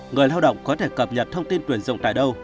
người lao động có thể cập nhật thông tin tuyển dụng tại đâu